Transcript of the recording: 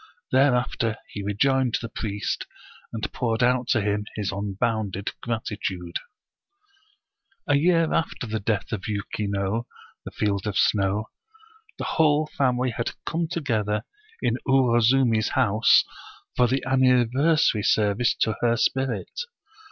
Thereafter he rejoined the priest, and poured out to him his unbounded gratitude. A year after the death of Yuki no, " the field of snow/* the whole family had come together in Uwozumi's house, for the anniversary service to her spirit.